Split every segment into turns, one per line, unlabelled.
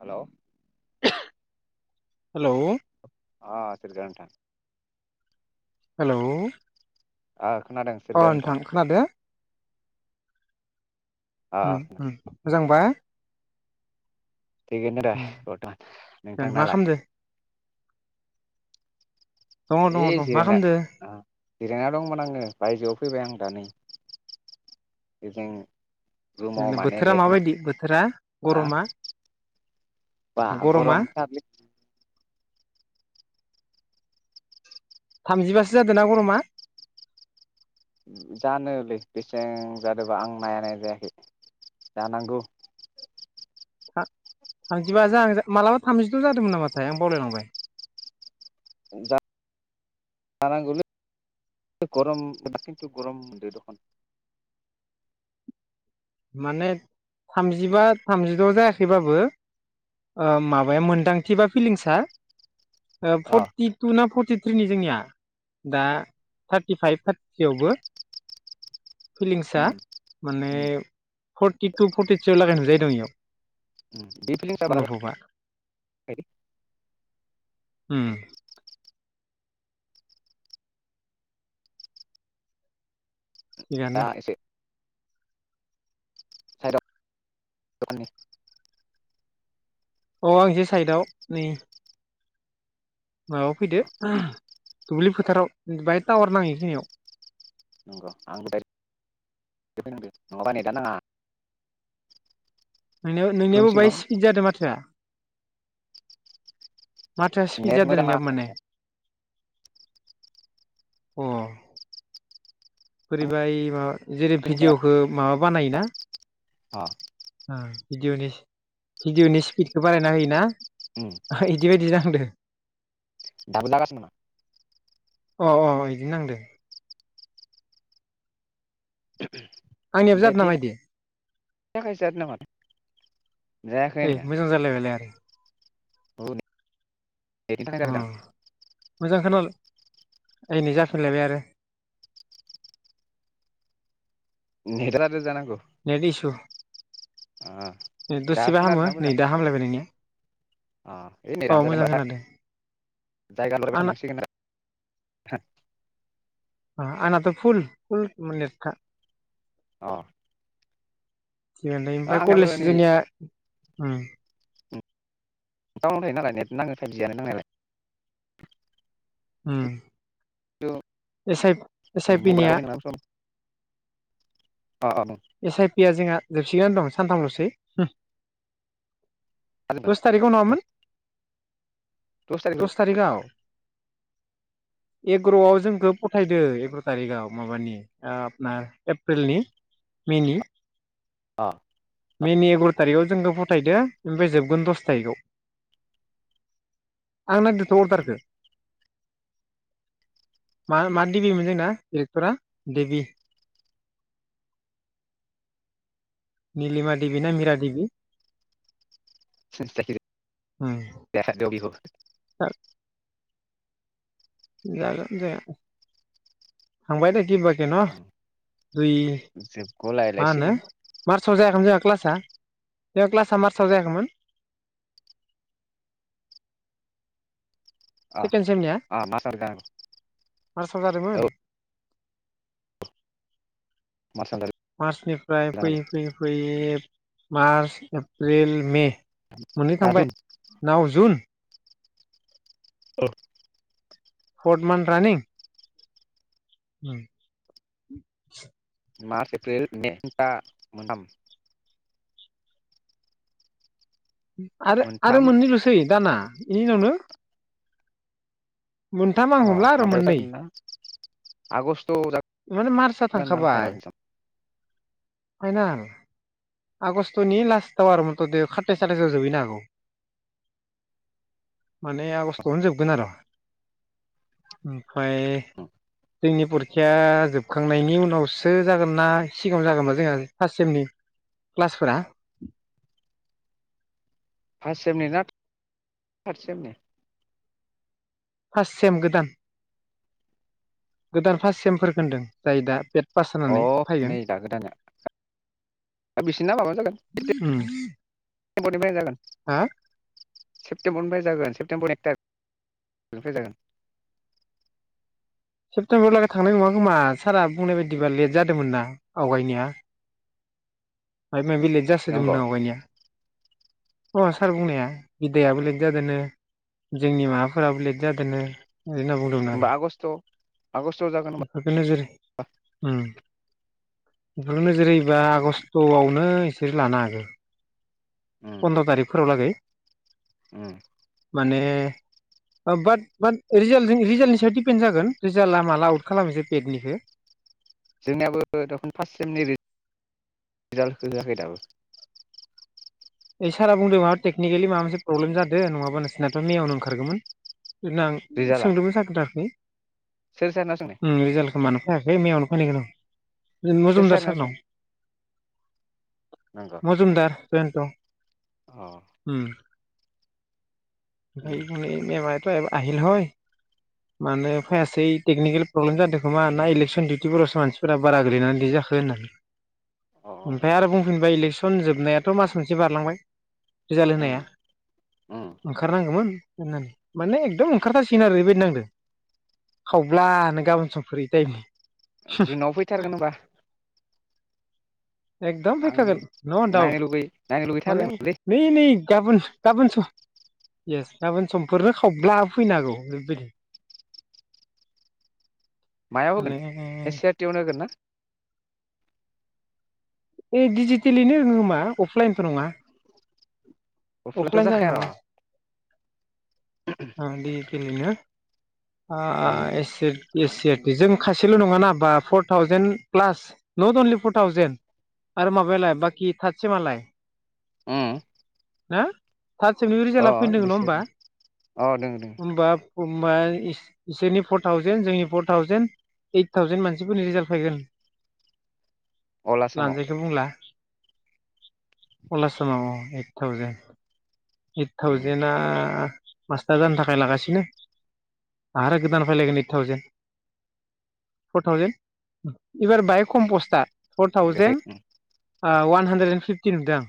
Hello
[inaudible] hello
अह सिरजाया नोंथां
हेलौ
आह
अह नोंथां खोनादो?
ओ
उम उम मोजां बा?
थिगैनो दे बर्थमान।
जेन मा
नोंथांनालाय?
खामदो दङ
ऐ
दङ दं मा
जिरायना
खामदो
आह जिरायना दंमोन आङो बायजोआव फैबाय आं दानै ए जों रुमाव
[unintelligible]
माने
बोथोरा
नेट
माबायदि बोथोरा? गरमा
बाह
गरमा
गरम थारलै
थामजिबासो जादों ना गरमा?
जानोलै बेसें जादोबा आं नाया नाया जायाखै जानांगौ
था थामजिबाजा हां मालाबा थामजिद' जादोंमोन नामाथाय आं बावलायलांबाय
दा जानांगौलै गरम खिन्थु गरम मोनदो दखन
माने थामजिबा थामजिद' जायाखैबाबो ओ माबाया मोनदांथि बा फिलिंसआ ओ
अ
फददितुना फटि थ्रिनि जोंनिया दा थार्टिफाइभ थार्टियावबो फिलिंसआ
उम
माने
उम
फर्टि टु फरटिथ्रियाव लागे नुजायो दं इयाव अनुभबा
[unintelligible]
उम थिगानो
दा एसे [unintelligible]
अ आं एसे साइदआव नै माबायाव फैदो ओह दुब्लि फोथाराव बाहाय टावार नाङो इखिनियाव
[unintelligible]
नोंनियाव
रुम
नोंनियाबो
सिङाव
बाहाय स्पिद जादो माथोआ माथोआ स्पिद
नेट
जादों
मोजां
नोंनियाबो
नाङाखै
माने अ बोरोयबा इ माबा जेरै भिडिअ'खौ माबा बानायोना
अ
ओ। भिडिअनि भिडिअनि स्पिडखौ बारायना होयोना?
उम
इदिबायदि जाहांदो।
दाबो जागासिनो नामा?
अ अ इदि नांदो। आंनियाबो जादों
नेटनि
नामा इदि?
[unintelligible]
ओइ
आंनिया
मोजां जालायबायलाय आरो।
[unintelligible] थाखाय
अ
जादों दां
मोजां खोनाला एइ नै जाफिनलायबाय आरो।
[unintelligible]
नेट इसु
अ दा
दसेबा हामो
खोनादोंना मोजां
नै दा हामलायबाय नोंनिया। अ मोजां खोनादों
[unintelligible]
आंना
[unintelligible]
आ आंनाथ' फुल फुल नेटखा।
अ।
थिगैनो दे ओमफ्राय
आंनाबो
कलेज
नै
जोंनिया उम।
[unintelligible]
उम।
खिन्थु
एसाइप एस आइ पि निया
मबाइलाव नांगौ सम अ अ [unintelligible]
पियाव जोबसिगोन दं सानथामल'सै
जादोंमोन
दस थारिखाव
दस
नङामोन? दस थारिखआव। एग्र'आव जोंखौ फथायदो एग्र' थारिखआव माबानि आपनार एप्रिलनि। मे नि
अ
मेनि एग्र' थारिखआव जोंखौ फथायदो ओमफ्राय जोबगोन दस थारिखआव आं नायदोथ' अर्डारखौ मा मा देबिमोन जोंना डाइरेक्टरा देबि निलिमा देबि ना मिरा देबि उम
[unintelligible]
[unintelligible] जागोन जाया थांबाय दै। किबाके न दुइ मा होनो
जोबगलायलायसिगोन
मार्चआव जायाखैमोन जोंहा क्लासआ? जोंहा क्लासआ मार्सआव जायाखैमोन?
अ
सेकेण्ड सेमनिया
अ मार्चआव जानांगौ
मार्साव
औ
जादोंमोन।
मार्चआव
मार्चनिफ्राय
जानांगौ
फैयै फैयै फैयै मार्च, एप्रिल, मे मोननै
दा जुन
थांबाय नाव जुन
[unintelligible]
फर्थ मान्थ रानिं? उम
मार्च, एप्रिल, मे [unintelligible] मोनथाम।
आरो आरो
मोनथाम
मोननैल'सै दाना बेनि उनावनो मोनथाम आं
अ
हमला आरो
माबायाव
मोननै
जागोन ना आगस्ट'आव जाग
माने मार्चआ
जागोनदां
थांखाबाय
फाइनेल एक्जाम।
फाइनाल आगष्ट'नि लास्टाव आरो मथ'ते खाथायस आथायसाव जोबहैनो हागौ माने आगस्टआवनो जोबगोन आरो ओमफ्राय जोंनि परिखाया जोबखांनायनि उनावसो जागोन ना सिगाङाव जागोनबा जोंहा फार्स्ट सेमनि क्लासफोरा
फास्त सेमनि ना थार सेमनि?
फास्ट सेम गोदान गोदान फार्स्ट सेमफोरखौ होन्दों जाय दा बे
अ नै दा गोदाना बिसोरना माबा जागोन
उम
[unintelligible] जागोन
हा
सेप्तेम्बरनिफ्राय जागोन सेप्तेम्बरनि एक थारिखनिफ्राय जागोन
सेप्तेम्बराव लागै थांनाय नङा खोमा सारा बुंनाय बायदिबा लेट जादोंमोन ना आवगायनिया बेलेग जासोदोंमोन
नंगौ
ना आवगायनिया अ सार बुंनाया बिदायाबो लेट जादोंनो जोंनि माबाफोराबो लेट जादोंनो बिदि होनना बुंदोंमोन आरो
होमबा आगष्ट आगष्टआव जागोन होमबा
[unintelligible] [unintelligible] आगस्टआवनो इसोर लानो हागो
उम
फन्द्र' थारिखफोराव लागै
उम
माने माबा रिजालनि सायाव दिपेन जागोन रिजाला माला खालामसै
[unintelligible]
पेडनिखौ
जोंनियाबो दखन फार्स्ट सेमनि रिजालट [unintelligible] होआखै दाबो
ऐ सारआ बुंदों माबा टेकनिकेलि माबा मोनसे प्रब्लेम जादों नङाबा नोंसिनाथ' मेआवनो ओंखारगोमोन इनां
रिजाल्टआ
सोंदोंमोन सारखौ दाखालि
सोर सारनाव सोंनाय
उम रिजालखौ मानो खालामाखै होनना [unintelligible]
सोर
मजुमदार सारनाव
सोंनाय नंगौ
मजुमदार बेन्थ'
अ
ओम [unintelligible] [unintelligible]
उम
आहिल हय मानोे फायासै टेकनिकेल प्रब्लेम जादों खोमा ना इलेकसन डिउटिफोरावसो मानसिफोरा बारा गोलैनानै इदि जाखो होननानै
अ अ
ओमफाय आरो बुंफिनबाय इलेकस सन जोबनायाथ' मास मोनसे बारलांबाय रिजाल्ट होनाया
उम उम
ओंखारनांगौमोन होननानै माने एकदम ओंखारथारसिगोन आरो ओरैबायदि नांदों खावब्लानो गाबोन समफोरै टाइमनि
जुनाव फैथारगोन होमबा
एकदम
आं
फैखागोन न' दाउट
नायनो लुबै नायनो
माने
लुगैथारबायमोनलै
नै नै गाबोन गाबोन सम एस गाबोन समफोरनो खावब्ला फैनोहागौ ओरैबायदि
मायाव होगोन
माने
ए सि आर टि आवनो होगोन ना?
ए डिजिटेलिनो होगोन खोमा अफलाइनथ' नङा
अफलाइनथ'
अफलाइन जानाय
जाखाय र'
ओं डिजिटेलयैनो
उम
[unintelligible] बेजों खासेल' नङाना बा four thousand plus not only four thousand आरो माबायालाय बाकि थार्ड सेमालाय
ओम
[unintelligible] थारड सेमनिबो रिजालआ फैनो दोङो नङा होमबा
बिसोरनो अ दोङो दोङो
होमबा होमबा इस इसोरनि फर थावजेन जोंनि फर थावजेनड ओइट थावजेेन मानसिफोरनि रिजाल्ट फैगोन
अल आसामाव
लानजायखौ बुंला अल आसामाव अ ओइट थउजेन ओइद
उम
थावजेना मास्टार जानो थाखाय लागासिनो आरो गोदान फैलायगोन ओइट थावजेन फर थावजेन एबार बाय खम पस्टआ फर
ओमफ्राय
थावजेन आ वान हान्ड्रेद एन्ड फिफ्टि नुदो आं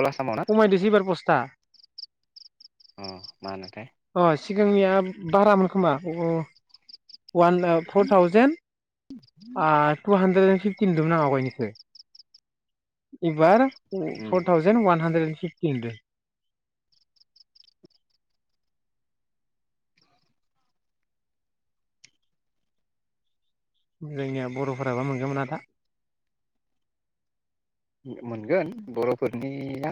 अल आ
खमायदोसो इबार पस्ट ता
अ मा होनोथाय।
सिगांनिया बारामोन खोमा अ। वान ओ फर थावजेन। आ two hundred and fifty नुदोमोन आं गावगायनिखो। इबार औ
um
four thousand one hundred and fifty नुदो। जोंनिया बरफोराबा मोनगोनना मोना दा।
मोनगोन बरफोरनिया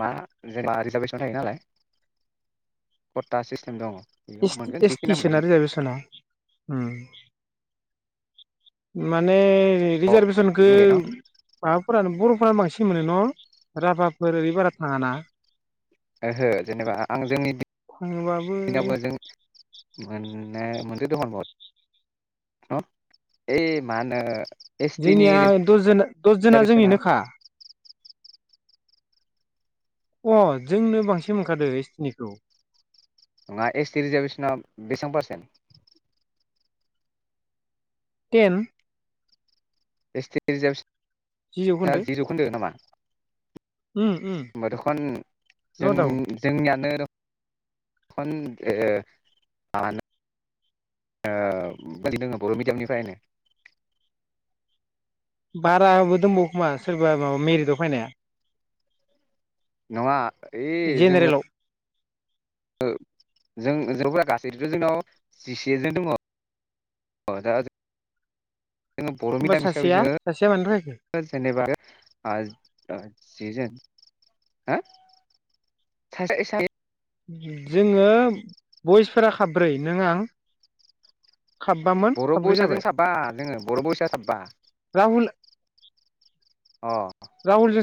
मा जेनेबा रिजारभेसन थायो नालाय खथा सिस्टेम दङ। बेयाव
एस टि
मोनगोन
एस
जिखिना
टि सोना
मोनगोन
रिजारभेसना ओम। माने
अ
रिजारभेसनखो
बेबो मोनगोन न
माबाफोरानो बर फोरानो बांसिन मोनो न राभाफोर ओरै बारा थाङाना।
ओहो जेनेबा आंजों
थाङोबाबो
[inaudible] जों। मोननो [inaudible] ओइ मा होनो? एस टि नि
जोंनिया दसजोन दसजोना
रिजार्भेसना
जोंनिनोखा। अ जोंनो बांसिन मोनखादो एटिनिखौ।
नङा एस टि रिजारभेसना बेसां पारसेन्ट।
टेन।
एस टि रिजारभेस
जि
ना
जौखोन्दो
जि जौखोन्दो नामा?
उम उम
ओमबा दखन जों
न' दाउट
जोंनियानो। [inaudible] ओ [inaudible] ओ [inaudible] बर मिडियामनिफ्रायनो।
बाराबो दंबावोखोमा सोरबा माबा मेरिटआव फैनाया।
नङा
जेनेरेलाव।
ओ जों जों हैवाफोरा गासैथ' जोंनाव जिसेजन दङ अ' दा। जोङो बर'
होमबा
मिडियाम
सासेया सासेया मानो फरायखो।
आ आज जिजोन हो सासेया इसामिस।
जोङो बयसफोरा साब्रै नों आं। साबबामोन
बर'
साब्रै
बसा जों
जाबाय
साबा जोङो बर' बयसा साबबा।
राहुल
अ'
राहुलजों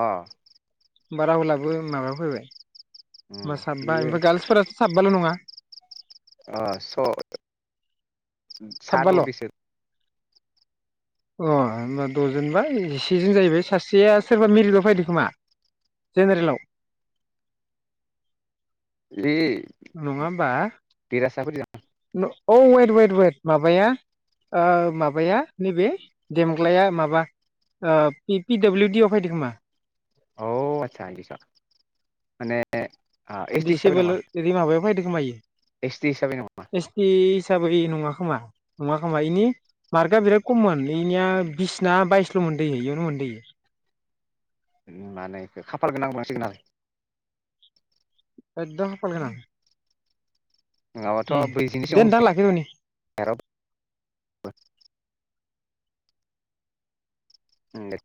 अ'।
होनबा राहुलाबो माबायाव फैबाय। होमा
उम
साबबा
बियो
ओमफ्राय गार्लसफोराथ साबबाल' नङा। [inaudible]
अ' स'
साबबाल'
साद' बिसोर‌
अ' होमबा द'जोन बा जिसेजोन जाहैबाय सासेया सोरबा मेरिदाल फायदों खोमा जेनेरेलाव।
बि
नङाहोनबा न'? औ वेद वेद वेद माबाया ओ माबाया नैबे देमग्लाया माबा ओ पि पिडाब्लिउडि आव फायदो खोमा।
औ आतसा बिदिसो माने एस टि हिसाबै
दिसेबोल
नङा
ओरि माबायाव फायदो खोमा इयो
एस टि हिसाबै नङा मा
एस टि हिसाबै नङा। खोमा नङा खोमा इनि मार्कआ बिराद खममोन बेनिया बिसना बायसल' मोनदो इयो इयावनो मोनदो इयो।
माने बेखौ खाफाल गोनां होननांसिगोन आरो।
एकदम खाफाल गोनां।
नङाबाथ' ब्रैजिनि सायाव
दे नोंथां लाखिथ'नि
मोनखाया रावबो। [inaudible] ओं दे।